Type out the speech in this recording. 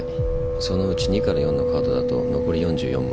そのうち２から４のカードだと残り４４枚。